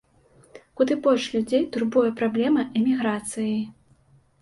Куды больш людзей турбуе праблема эміграцыі.